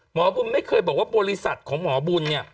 หมอบุญไม่เคยบอกว่าบริษัทของหมอบุญเนี่ย